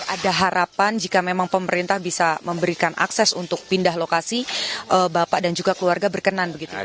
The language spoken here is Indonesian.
ada harapan jika memang pemerintah bisa memberikan akses untuk pindah lokasi bapak dan juga keluarga berkenan